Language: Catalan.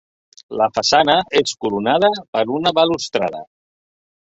La façana és coronada per una balustrada.